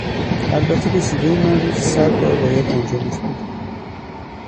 البته به شیوهی من روزی صد بار باید انجامش بدی